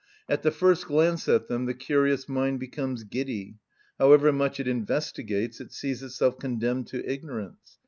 At the first glance at them the curious mind becomes giddy; however much it investigates, it sees itself condemned to ignorance.